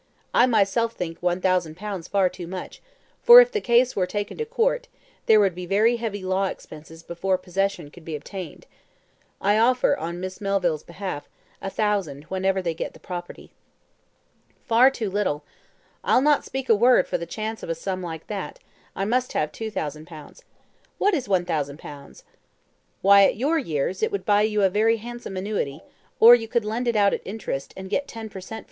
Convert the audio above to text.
I myself think 1,000 pounds far too much, for if the case were taken to court, there would be very heavy law expenses before possession could be obtained. I offer, on Miss Melville's behalf, a thousand whenever they get the property." "Far too little. I'll not speak a word for the chance of a sum like that; I must have 2,000 pounds. What is 1,000 pounds?" "Why, at your years, it would buy you a very handsome annuity, or you could lend it out at interest, and get ten per cent.